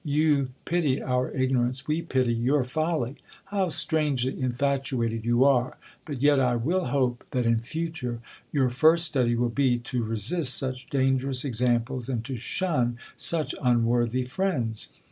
You pity our ignorance, we pity your folly. How strangely infatuate'd you are ! But yet I will hope, that, in future, your first study will be to re sist such dangerous examples, and to shun such unwor thy friends.